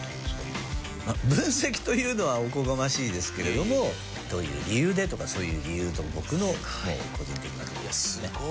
分析というのはおこがましいですけれどもどういう理由でとかそういう理由と僕の個人的な。